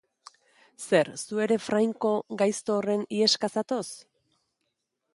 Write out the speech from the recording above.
Zer, zu ere Franco gaizto horren iheska zatoz?